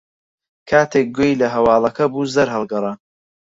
کاتێک گوێی لە ھەواڵەکە بوو، زەرد ھەڵگەڕا.